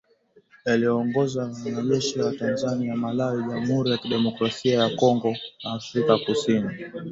yaliyoongozwa na wanajeshi wa Tanzania, Malawi, jamhuri ya kidemokrasia ya Kongo na Afrika kusini